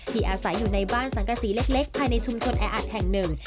อาศัยอยู่ในบ้านสังกษีเล็กภายในชุมชนแออัดแห่งหนึ่ง